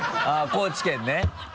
高知県ね。